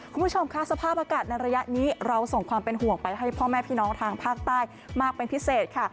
คุณผู้ชมค่ะสภาพอากาศในระยะนี้เราส่งความเป็นห่วงไปให้พ่อแม่พี่น้องทางภาคใต้มากเป็นพิเศษค่ะ